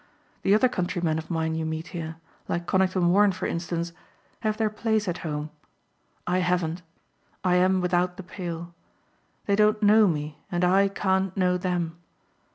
The other countrymen of mine you meet here, like Conington Warren for instance, have their place at home. I haven't. I am without the pale. They don't know me and I can't know them.